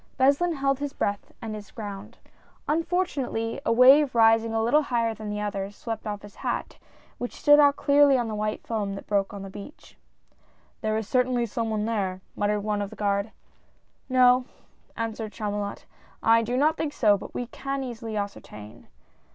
Beslin held his breath and his ground. Unfortu nately, a wave rising a little higher than the others, swept off his hat, which stood out clearly on the white foam that broke on the beach. " There is certainly some one there," muttered one of the guard. "No," answered Chamulot, "I do not think so, but we can easily ascertain."